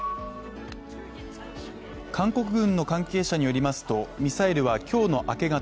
韓国軍の関係者によりますとミサイルは今日の明け方